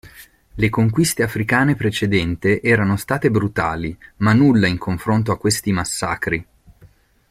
Le conquiste africane precedente erano state brutali, ma nulla in confronto a questi massacri.